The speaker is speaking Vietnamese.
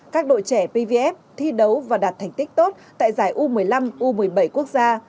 các đội trẻ pvf thi đấu và đạt thành tích tốt tại giải u một mươi năm u một mươi bảy quốc gia